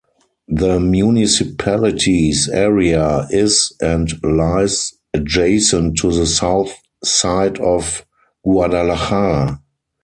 The municipality's area is and lies adjacent to the south side of Guadalajara.